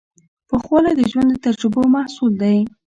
پوخوالی د ژوند د تجربو محصول دی.